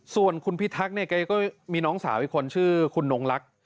ส่วนคุณพิทักษ์เนี่ยแกก็มีน้องสาวอีกคนชื่อคุณนงลักษณ์